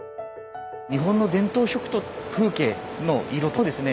日本の伝統色と風景の色とですね